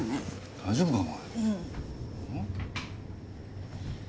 大丈夫かお前？